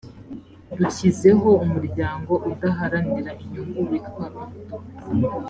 dushyizeho umuryango udaharanira inyungu witwa ardo